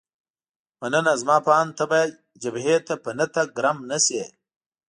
مننه، زما په اند ته باید جبهې ته په نه تګ ګرم نه شې.